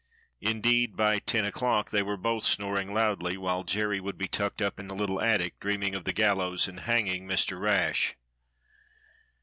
Indeed, by ten o'clock they were both snoring loudly, while Jerry would be tucked up in the little attic dreaming of the gallows and hanging Mr. Rash.